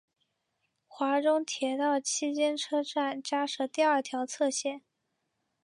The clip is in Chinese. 华中铁道期间车站加设第二条侧线。